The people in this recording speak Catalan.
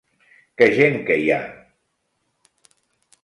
Que gent que hi ha!